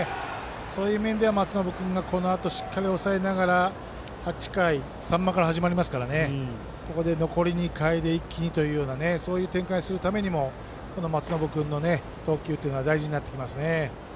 そういう意味で松延君がこのあと、しっかり抑えながら８回、３番から始まりますからここで残り２回で一気にというそういう展開にするためにも松延君の投球というのは大事になってきますね。